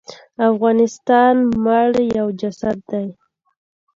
افغانستان مړ دی یو جسد دی.